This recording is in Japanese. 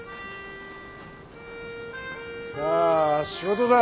さあ仕事だ！